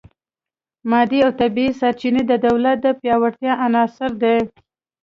مادي او طبیعي سرچینې د دولت د پیاوړتیا عناصر دي